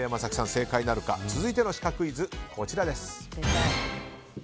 正解なるか続いてのシカクイズこちらです。